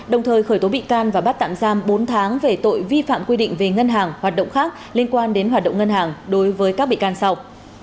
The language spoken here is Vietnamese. đồng thời khởi tố bị can và bắt tạm giam bốn tháng về tội vi phạm quy định về ngân hàng hoạt động khác liên quan đến hoạt động ngân hàng đối với các bị can sau